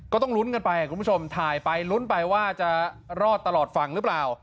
ก็ต้องลุ้นกันไปคุณผู้ชมถ่ายไปลุ้นไปว่าจะรอดตลอดฝั่งหรือเปล่า